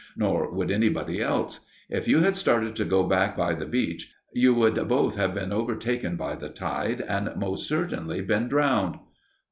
Nor would anybody else. If you had started to go back by the beach, you would both have been overtaken by the tide and most certainly been drowned."